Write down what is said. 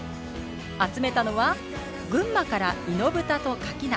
集めたのは群馬から猪豚とかき菜。